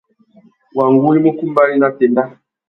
Wăngú i mú kumbari nà téndá.